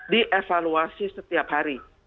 dievaluasi setiap hari